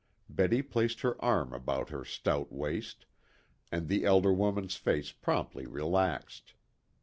Betty placed her arm about her stout waist, and the elder woman's face promptly relaxed.